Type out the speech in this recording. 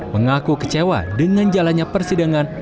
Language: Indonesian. mengaku kecewa dengan jalannya persidangan